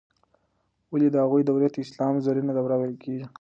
ولې د هغوی دورې ته د اسلام زرینه دوره ویل کیږي؟